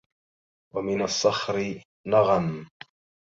ومن الصخر نغم!